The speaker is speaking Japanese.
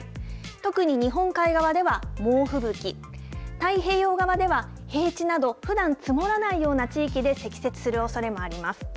特に日本海側では猛吹雪、太平洋側では、平地などふだん積もらないような地域で積雪するおそれもあります。